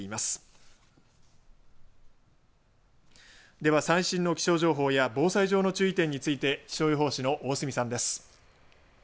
では最新の気象情報や防災の注意点について気象予報士の大隅さんです。